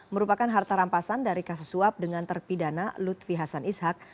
merupakan harta rampasan dari kasus suap dengan terpidana lutfi hasan ishak